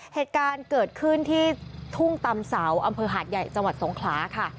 เหตุการณ์เกิดขึ้นที่ทุ่งตำเสาอำเภอหาดใหญ่จังหวัดสงขลาค่ะ